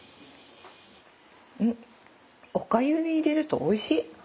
うんおかゆに入れるとおいしい。